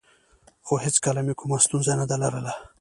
خو هېڅکله مې کومه ستونزه نه ده لرلې